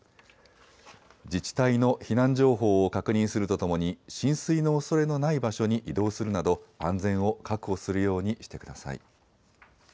自治体の避難情報を確認するとともに浸水のおそれのない場所に移動するなど安全を確保するようにしてください。